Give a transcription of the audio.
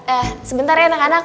eh sebentar ya anak anak